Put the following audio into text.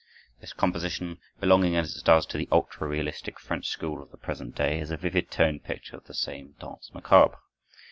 This composition, belonging as it does to the ultra realistic French school of the present day, is a vivid tone picture of the same "Danse Macabre."